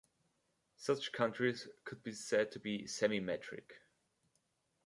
Such countries could be said to be "semi-metric".